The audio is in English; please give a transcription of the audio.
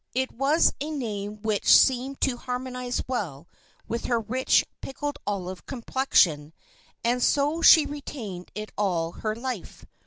It was a name which seemed to harmonize well with her rich, pickled olive complexion and so she retained it all her life.